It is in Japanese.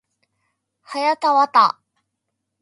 はやたわた